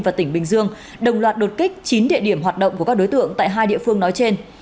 và tỉnh bình dương đồng loạt đột kích chín địa điểm hoạt động của các đối tượng tại hai địa phương nói trên